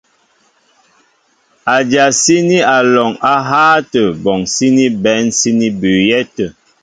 Adyasíní alɔŋ á hááŋ átə bɔŋ síní bɛ̌n síní bʉʉyɛ́ tə̂.